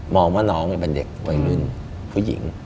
มองว่าน้องมันเด็กวัยลื่นผู้หญิง